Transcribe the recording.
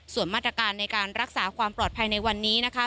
ส่วนมาตรการในการรักษาความปลอดภัยในวันนี้นะคะ